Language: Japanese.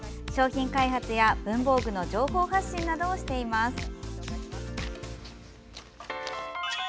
商品開発や文房具の情報発信などをしています。